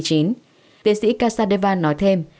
tiến sĩ kassadevan nói thêm